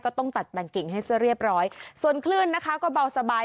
ต้องตัดแบ่งกิ่งให้จะเรียบร้อยส่วนคลื่นนะคะก็เบาสบาย